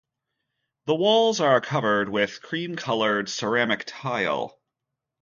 The walls are covered with cream-colored ceramic tile.